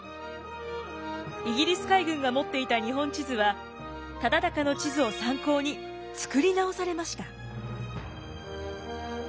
イギリス海軍が持っていた日本地図は忠敬の地図を参考に作り直されました。